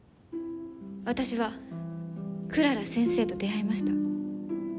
私はクララ先生と出会いました。